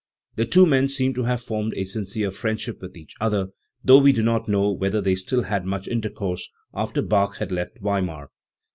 The two men seem to have formed a sincere friendship with each other, though we do not know whether they still had much intercourse after Bach had left Weimar.